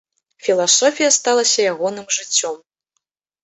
Філасофія сталася ягоным жыццём.